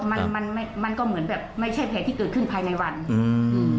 มันมันไม่มันก็เหมือนแบบไม่ใช่แผลที่เกิดขึ้นภายในวันอืม